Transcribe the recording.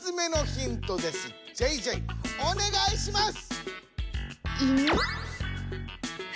ハルトおねがいします。